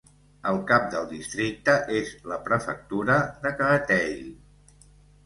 El cap del districte és la prefectura de Créteil.